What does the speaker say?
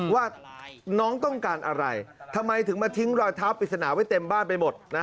ว่าน้องต้องการอะไรทำไมถึงมาทิ้งรอยเท้าปริศนาไว้เต็มบ้านไปหมดนะ